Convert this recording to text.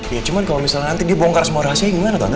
ya cuman kalau misalnya nanti dia bongkar semua rahasia gimana tante